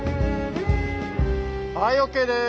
はいＯＫです。